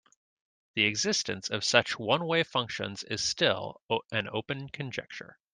The existence of such one-way functions is still an open conjecture.